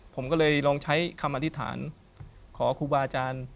ผมก็เลยลองใช้คำอธิษฐานขอครูบาอาจารย์